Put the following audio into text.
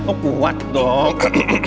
oh kuat dong